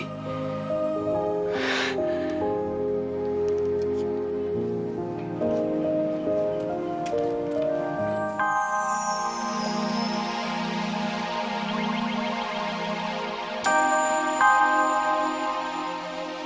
ya udah selalu berhenti